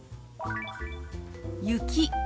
「雪」。